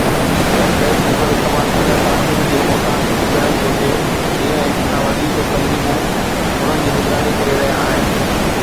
WebDeskGoogle استعمال ڪندڙ صارفين کي محتاط هجڻ گهرجي جيئن هڪ کان وڌيڪ تنظيمون انهن جي نگراني ڪري رهيا آهن